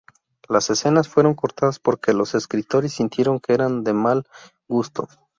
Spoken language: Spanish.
Las escenas fueron cortadas porque los escritores sintieron que eran de mal gusto.